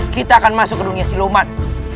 kita akan masuk ke dunia silomat